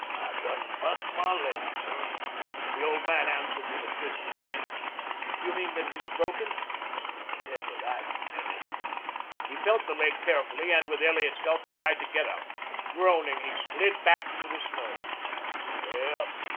"I done bust my laig, son," the old man answered with a twisted grin. "You mean that it is broken?" "Tell you that in a minute." He felt his leg carefully and with Elliot's help tried to get up. Groaning, he slid back to the snow.